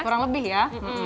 kurang lebih ya